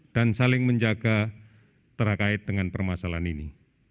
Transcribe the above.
dan saling menjaga terkait dengan permasalahan ini